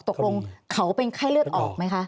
ตกลงเขาเป็นไข้เลือดออกไหมคะ